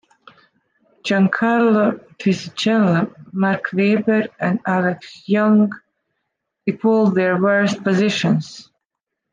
Giancarlo Fisichella, Mark Webber and Alex Yoong equalled their worst positions.